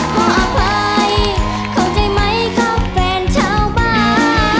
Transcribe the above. ขออภัยเข้าใจไหมครับแฟนชาวบ้าน